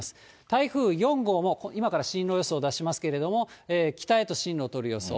台風４号も今から進路予想出しますけれども、北へと進路取る予想。